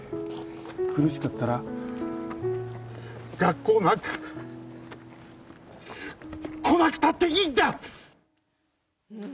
苦しかったら学校なんか来なくたっていいんだ！